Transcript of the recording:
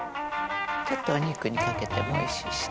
「ちょっとお肉にかけても美味しいしね」